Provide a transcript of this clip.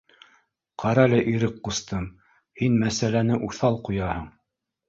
— Ҡарәле, Ирек ҡустым, һин мәсьәләне уҫал ҡуяһың